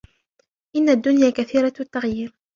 إنَّ الدُّنْيَا كَثِيرَةُ التَّغْيِيرِ